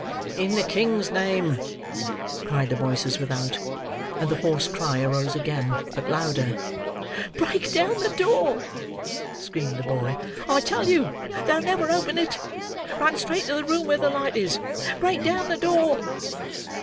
"In the King's name," cried the voices without; and the hoarse cry arose again, but louder. "Break down the door!" screamed the boy. "I tell you they'll never open it. Run straight to the room where the light is. Break down the door!"